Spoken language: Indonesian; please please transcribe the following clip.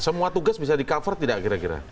semua tugas bisa di cover tidak kira kira